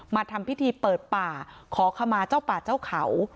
มาทำพิธีเปิดป่าขอขมาเจ้าป่าเจ้าเขา